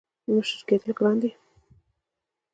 • مشر کېدل ګران دي.